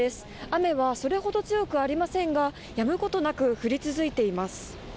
雨はそれほど強くありませんがやむことなく降り続いています。